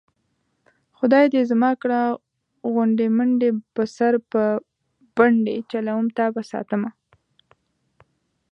خدای دې زما کړه غونډې منډې په سر به پنډې چلوم تابه ساتمه